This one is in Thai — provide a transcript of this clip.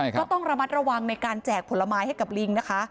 ก็ต้องระมัดระวังในการแจกผลไม้ให้กับลิงนะคะ